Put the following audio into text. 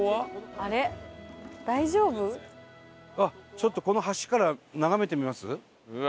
ちょっとこの橋から眺めてみます？